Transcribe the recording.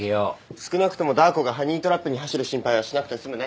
少なくともダー子がハニートラップに走る心配はしなくて済むね。